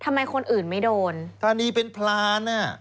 ทำไมคนอื่นไม่โดนธานีเป็นพรานอ่ะ